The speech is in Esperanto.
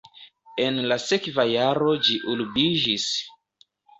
En la sekva jaro ĝi urbiĝis.